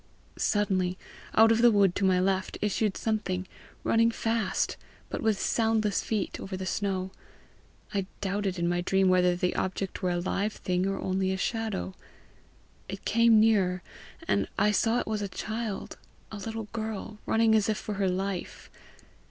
"Suddenly, out of the wood to my left, issued something, running fast, but with soundless feet, over the snow. I doubted in my dream whether the object were a live thing or only a shadow. It came nearer, and I saw it was a child, a little girl, running as if for her life.